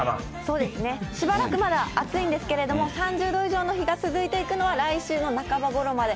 そうですね、しばらくまだ暑いんですけれども、３０度以上の日が続いていくのは、来週の半ばごろまで。